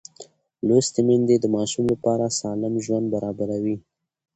لوستې میندې د ماشوم لپاره سالم ژوند برابروي.